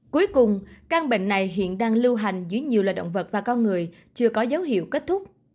cuối cùng căn bệnh này hiện đang lưu hành dưới nhiều loài động vật và con người chưa có dấu hiệu kết thúc